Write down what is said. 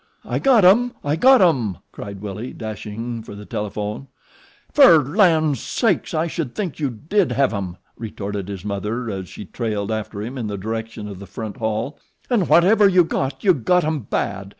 "I got 'em; I got 'em!" cried Willie, dashing for the telephone. "Fer lan' sakes! I should think you did hev 'em," retorted his mother as she trailed after him in the direction of the front hall. "'N' whatever you got, you got 'em bad.